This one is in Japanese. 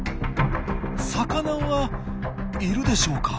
魚はいるでしょうか？